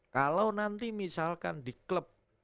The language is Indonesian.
kalau nanti misalkan di klub